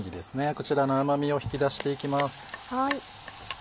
こちらの甘みを引き出していきます。